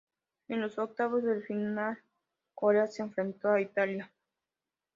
En los octavos de final, Corea se enfrentó a Italia.